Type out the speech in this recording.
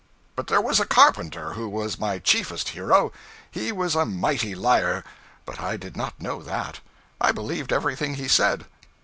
But there was a carpenter who was my chiefest hero. He was a mighty liar, but I did not know that; I believed everything he said.